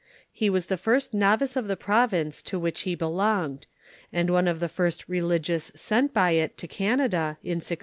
He was the first novice of the province to which be belonged, and one of the first religious sent by it to Canada, in 1676.